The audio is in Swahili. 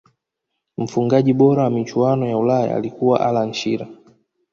mfungaji bora wa michuano ya Ulaya alikuwa allan shearer